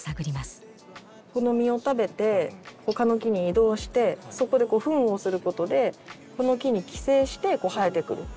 この実を食べて他の木に移動してそこでフンをすることでこの木に寄生して生えてくる。